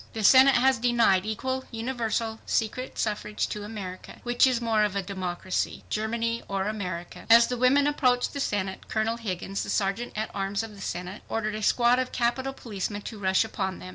THE SENATE HAS DENIED EQUAL, UNIVERSAL, SECRET SUFFRAGE TO AMERICA. WHICH IS MORE OF A DEMOCRACY, GERMANY OR AMERICA? As the women approached the Senate, Colonel Higgins, the Sergeant at Arms of the Senate, ordered a squad of Capitol policemen to rush upon them.